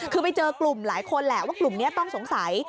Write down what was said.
คือไปเจอกลุ่มหลายคนแหละว่ากลุ่มนี้ต้องสงสัย